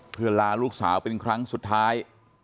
เพื่อลาลูกสาวเป็นครั้งสุดท้าย